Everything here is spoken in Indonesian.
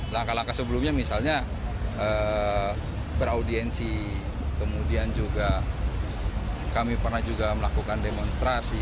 langkah langkah sebelumnya misalnya beraudiensi kemudian juga kami pernah juga melakukan demonstrasi